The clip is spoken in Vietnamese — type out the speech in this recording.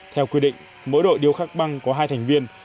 theo quy định mỗi đội điêu khắc băng có hai thành viên